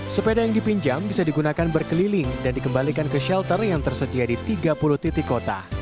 sepeda yang dipinjam bisa digunakan berkeliling dan dikembalikan ke shelter yang tersedia di tiga puluh titik kota